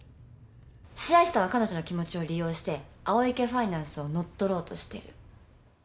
白石さんは彼女の気持ちを利用して青池ファイナンスを乗っ取ろうとしてる。